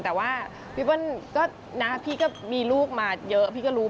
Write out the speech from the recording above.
แต่ว่าวิวัลนะครับพี่ก็มีลูกมาเยอะพี่ก็รู้